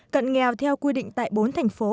cận nghèo theo quy định tại bốn thành phố